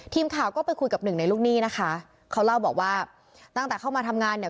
ทีมข่าวก็ไปคุยกับหนึ่งในลูกหนี้นะคะเขาเล่าบอกว่าตั้งแต่เข้ามาทำงานเนี่ย